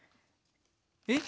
えっ？